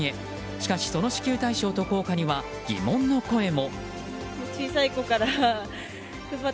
しかし、その支給対象と効果には疑問の声も。